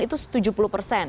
itu tujuh puluh persen